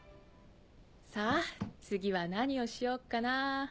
さぁ次は何をしよっかなぁ。